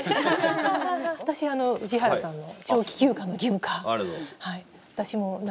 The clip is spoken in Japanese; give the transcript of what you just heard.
私は宇治原さんの「長期休暇の義務化」。